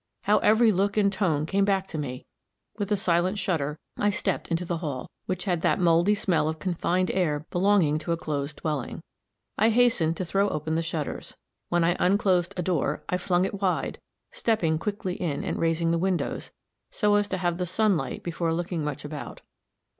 How every look and tone came back to me! With a silent shudder, I stepped into the hall, which had that moldy smell of confined air belonging to a closed dwelling. I hastened to throw open the shutters. When I unclosed a door, I flung it wide, stepping quickly in, and raising the windows, so as to have the sunlight before looking much about.